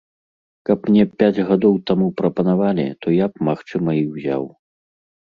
Каб мне пяць гадоў таму прапанавалі, то я б, магчыма, і ўзяў.